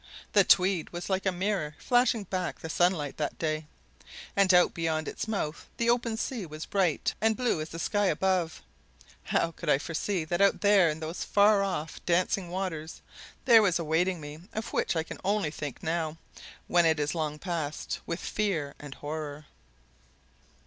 The Tweed was like a mirror flashing back the sunlight that day, and out beyond its mouth the open sea was bright and blue as the sky above. How could I foresee that out there, in those far off dancing waters, there was that awaiting me of which I can only think now, when it is long past, with fear and horror?